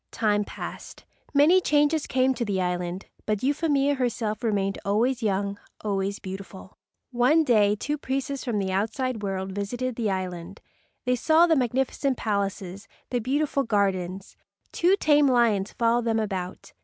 Time passed. Many changes came to the island, but Euphemia herself remained always young, always beautiful. One day two priests from the outside world visited the island. They saw the magnificent palaces, the beautiful gardens. Two tame lions followed them about.